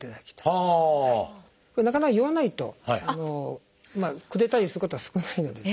これなかなか言わないとくれたりすることは少ないので。